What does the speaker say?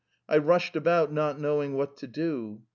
I tossed about, not knowing what to do.